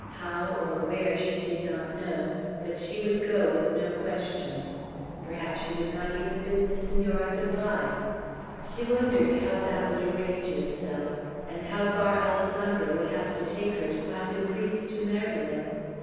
How, or where, she did not know; but she would go with no questions. Perhaps she would not even bid the Senora good by; she wondered how that would arrange itself, and how far Alessandro would have to take her, to find a priest to marry them.